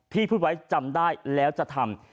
ที่พูดว่าจำได้แล้วจะทำ